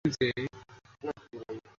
বেশ, আমরা এসে পড়েছি।